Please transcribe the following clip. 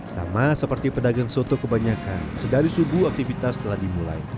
sama seperti pedagang soto kebanyakan sedari subuh aktivitas telah dimulai